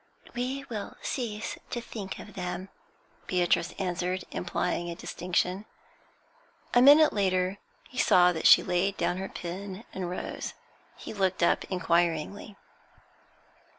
'We will cease to speak of them,' Beatrice answered, implying a distinction. A minute later he saw' that she laid down her pen and rose. He looked up inquiringly.